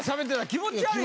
気持ち悪い。